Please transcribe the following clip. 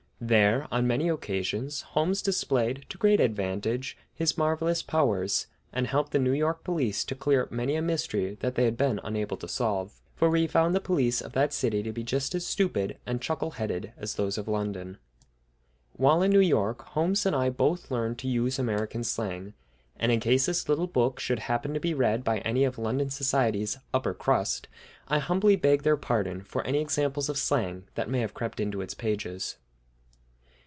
There, on many occasions, Holmes displayed to great advantage his marvelous powers, and helped the New York police to clear up many a mystery that they had been unable to solve; for we found the police of that city to be just as stupid and chuckle headed as those of London. While in New York Holmes and I both learned to use American slang, and in case this little book should happen to be read by any of London society's "upper crust," I humbly beg their pardon for any examples of slang that may have crept into its pages.